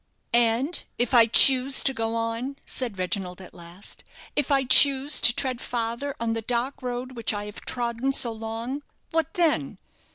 "And if I choose to go on," said Reginald, at last; "if I choose to tread farther on the dark road which I have trodden so long what then?